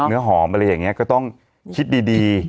เนื้อหอมอะไรอย่างนี้ก็ต้องคิดดี